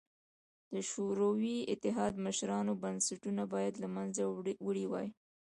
د شوروي اتحاد مشرانو بنسټونه باید له منځه وړي وای